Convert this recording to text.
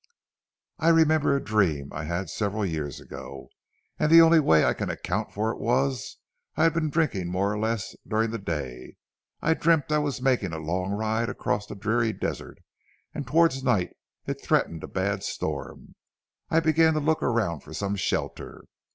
"I remember a dream I had several years ago, and the only way I can account for it was, I had been drinking more or less during the day. I dreamt I was making a long ride across a dreary desert, and towards night it threatened a bad storm. I began to look around for some shelter.